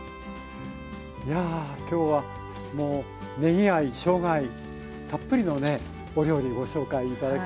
いや今日はもうねぎ愛・しょうが愛たっぷりのねお料理ご紹介頂きました。